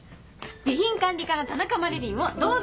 備品管理課の田中麻理鈴をどうぞ。